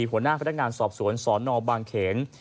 หัวหน้าพนักงานสอบสวนสนบางเขน